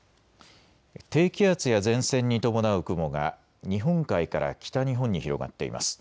低気圧や前線に伴う雲が日本海から北日本に広がっています。